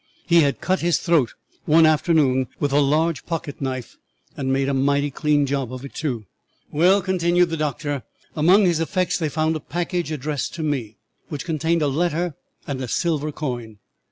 He had cut his throat one afternoon with a large pocket knife and made a mighty clean job of it, too. "Well," continued the doctor, "among his effects they found a package addressed to me, which contained a letter and a silver coin.